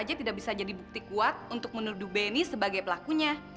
aduh jadi kamu pelakunya